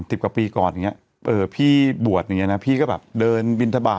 สิบกว่าปีก่อนอย่างเงี้เออพี่บวชอย่างเงี้นะพี่ก็แบบเดินบินทบาท